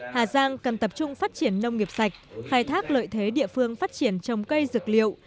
hà giang cần tập trung phát triển nông nghiệp sạch khai thác lợi thế địa phương phát triển trồng cây dược liệu